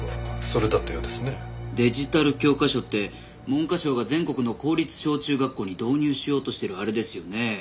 デジタル教科書って文科省が全国の公立小中学校に導入しようとしてるあれですよね。